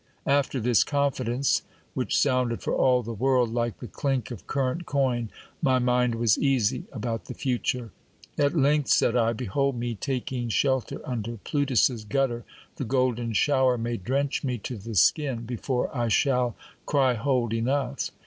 After this confidence, which sounded for all the world like the clink of current coin, my mind was easy about the future. At length, said I, behold me taking shelter under Plutus's gutter ; the golden shower may drench me to the skin, before I shall cry hold, enough